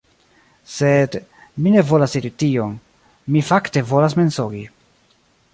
Sed... mi ne volas diri tion. Mi fakte volas mensogi.